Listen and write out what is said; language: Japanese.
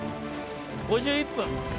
５１分。